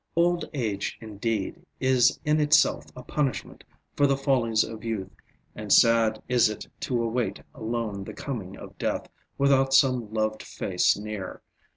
Old age indeed is in itself a punishment for the follies of youth and sad is it to await alone the coming of death without some loved face near.